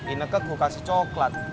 ini ke gue kasih coklat